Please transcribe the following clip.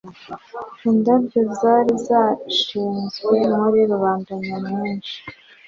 indabyo zari zashyizwe muri rubanda nyamwinshi